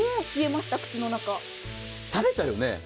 私、食べたよね。